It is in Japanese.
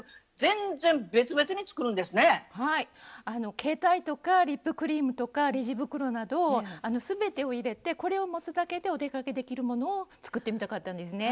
携帯とかリップクリームとかレジ袋など全てを入れてこれを持つだけでお出かけできるものを作ってみたかったんですね。